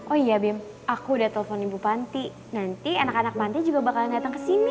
oh iya bim aku udah telepon ibu panti nanti anak anak panti juga bakalan datang ke sini